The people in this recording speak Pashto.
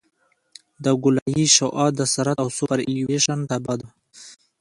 د ګولایي شعاع د سرعت او سوپرایلیویشن تابع ده